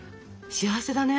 幸せだね。